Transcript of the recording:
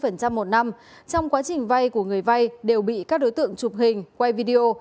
trong quá trình vay của người vay đều bị các đối tượng chụp hình quay video